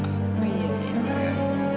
aku mau pergi